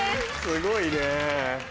すごいね。